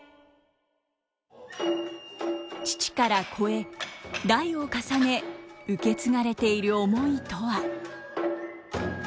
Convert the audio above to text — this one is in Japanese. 父から子へ代を重ね受け継がれている思いとは。